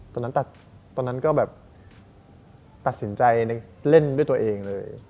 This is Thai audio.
ตอนนั้นตอนนั้นก็แบบตัดสินใจเล่นด้วยตัวเองเลย